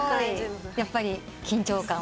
やっぱり緊張感は？